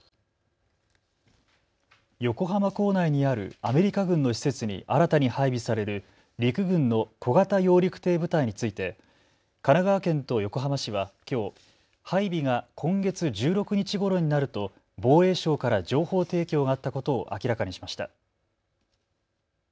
横浜港内にあるアメリカ軍の施設に新たに配備される陸軍の小型揚陸艇部隊について神奈川県と横浜市はきょう配備が今月１６日ごろになると防衛省から情報提供があったことを明らかにしました。